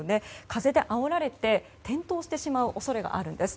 風であおられて転倒してしまう恐れがあるんです。